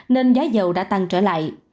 nên giá dầu đã tăng trở lại